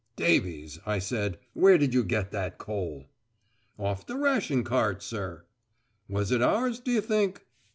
"Davies," I said, "where did you get that coal?" "Off the ration cart, sir." "Was it ours, do you think?"